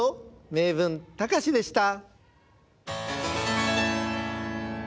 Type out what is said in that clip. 「名文たかし」でした。